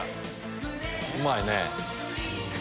うまいね。